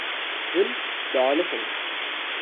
Hûn dialiqîn.